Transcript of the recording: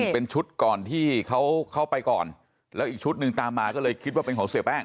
เป็นชุดก่อนที่เขาเข้าไปก่อนแล้วอีกชุดหนึ่งตามมาก็เลยคิดว่าเป็นของเสียแป้ง